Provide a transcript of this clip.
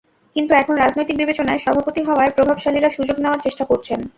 কিন্তু এখন রাজনৈতিক বিবেচনায় সভাপতি হওয়ায় প্রভাবশালীরা সুযোগ নেওয়ার চেষ্টা করছেন।